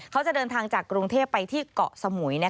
เขาจะเดินทางจากกรุงเทพไปที่เกาะสมุย